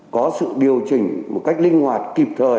có sự điều chỉnh một cách linh hoạt kịp thời